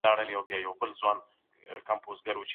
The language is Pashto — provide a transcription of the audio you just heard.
په رښتیني دين کي د انسان دپاره عزت پروت دی.